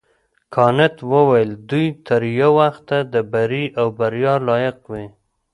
کانت وویل دوی تر یو وخته د بري او بریا لایق وي.